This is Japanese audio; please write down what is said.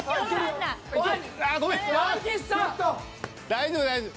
大丈夫大丈夫。